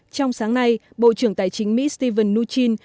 trong sáng nay bộ trưởng tài chính mỹ stephen mnuchin